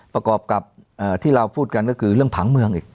ประกอบกับที่เราพูดกันก็คือเรื่องผังเมืองอีก